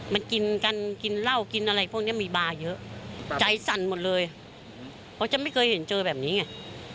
มันกินกันกินเหล้ากินอะไรพวกนี้มีบาร์เยอะใจสั่นหมดเลยเพราะจะไม่เคยเห็นเจอแบบนี้ไง